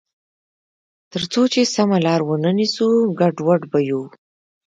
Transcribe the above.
تر څو چې سمه لار ونه نیسو، ګډوډ به یو.